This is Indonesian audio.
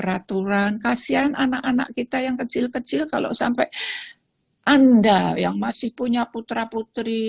aturan kasihan anak anak kita yang kecil kecil kalau sampai anda yang masih punya putra putri